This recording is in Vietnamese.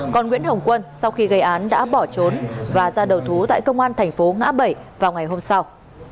còn nguyễn hồng quân sau khi gây án đã bỏ trốn và ra đầu thú tại công an thành phố ngã bảy vào ngày hôm sau